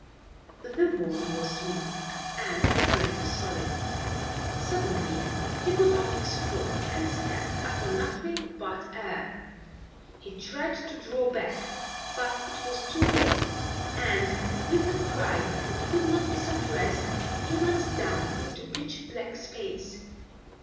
The wall was smooth and apparently solid. Suddenly he put out his foot and stepped upon nothing but air. He tried to draw back, but it was too late, and with a cry that could not be suppressed he went down into pitch black space.